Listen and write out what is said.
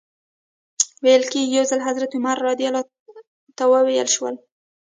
ویل کېږي یو ځل حضرت عمر ته ویل شوي و.